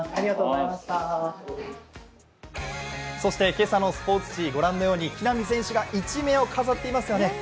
今朝のスポーツ紙、ご覧のように木浪選手が一面を飾っていますよね。